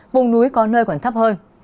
vùng núi có nơi còn thấp hơn